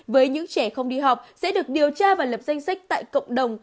với những trẻ không đi học sẽ được điều tra và lập danh sách tại cộng đồng